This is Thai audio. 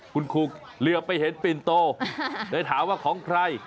คุณครูเหลือไปเห็นปิ่นโตเลยถามว่าของใคร